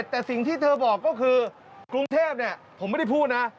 แต่สิ่งที่เธอบอกก็คือกรุงเทพผมไม่ได้พูดนะ